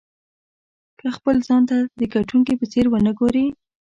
که خپل ځان ته د ګټونکي په څېر ونه ګورئ.